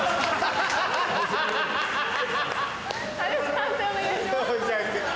判定お願いします。